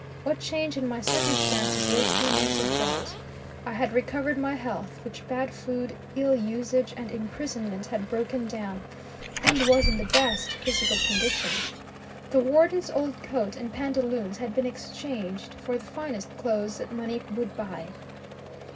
What change in my circumstances those few months had wrought. I had recovered my health which bad food, ill usage, and imprisonment had broken down, and was in the best physical condition. The warden's old coat and pantaloons had been exchanged for the finest clothes that money would buy.